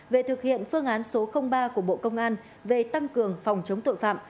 về thực hiện phương án số ba của bộ công an về tăng cường phòng chống tội phạm